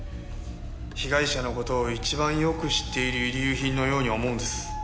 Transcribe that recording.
被害者の事を一番よく知っている遺留品のように思うんです。